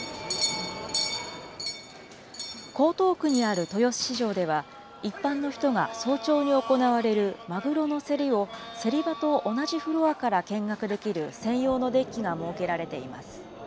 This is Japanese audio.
江東区にある豊洲市場では、一般の人が早朝に行われるマグロの競りを競り場と同じフロアから見学できる専用のデッキが設けられています。